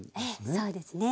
そうですね。